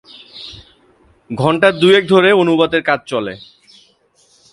ঘণ্টা দু’য়েক ধরে অনুবাদের কাজ চলে।